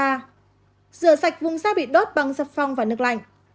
rửa sạch vùng da bị đốt bằng dập phong và nước lạnh